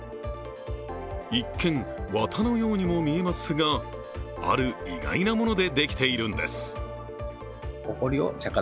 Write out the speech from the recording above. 一見、綿のようにも見えますが、ある意外なものでできているんです。